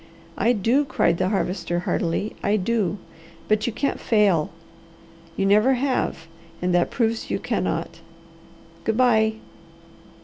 "I do!" cried the Harvester heartily. "I do! But you can't fail. You never have and that proves you cannot! Good bye!"